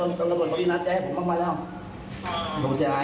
มีโทรศัพท์จากตำรวจชุดที่ไถ